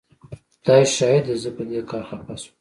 خدای شاهد دی زه په دې کار خفه شوم.